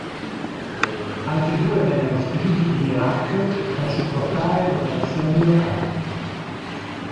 Altri due vennero spediti in Iraq per supportare le operazioni locali.